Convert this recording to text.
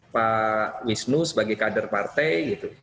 pak wisnu sebagai kader partai gitu